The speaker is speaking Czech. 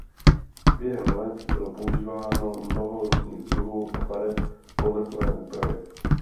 Během let bylo používáno mnoho různých druhů a barev povrchové úpravy.